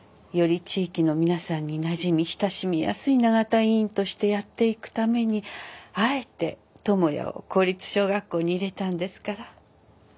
より地域の皆さんになじみ親しみやすい永田医院としてやっていくためにあえて智也を公立小学校に入れたんですから。